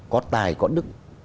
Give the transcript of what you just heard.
có tài có đức